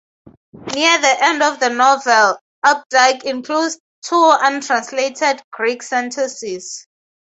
Near the end of the novel, Updike includes two untranslated Greek sentences.